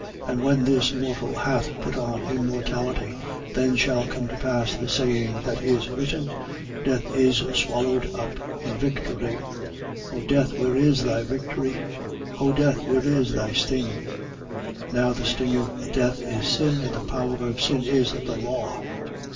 And when this mortal hath put on immortality, then shall come to pass the saying that is written: Death is swallowed up in victory. 15:55. O death, where is thy victory? O death, where is thy sting? 15:56. Now the sting of death is sin: and the power of sin is the law.